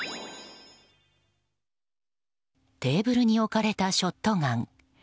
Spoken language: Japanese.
テーブルに置かれたショットガン。